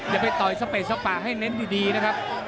อย่าไปต่อยสเปดสปาให้เน้นดีนะครับ